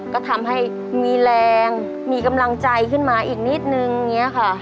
ก็ทำให้มีแรงมีกำลังใจขึ้นมาอีกนิดนึงอย่างนี้ค่ะ